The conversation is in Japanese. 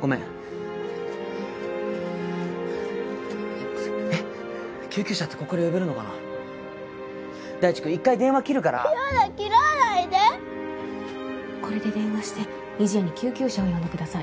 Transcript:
ごめんえっ救急車ってここから呼べるのかな大地君一回電話切るから嫌だ切らないでこれで電話して「にじや」に救急車を呼んでください